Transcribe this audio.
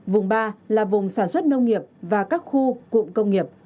vùng ba là vùng sản xuất nông nghiệp và các khu cụm công nghiệp